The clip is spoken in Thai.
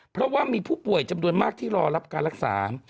เพราะว่ามีผู้ป่วยจำนวนมากที่รอรับการรักษา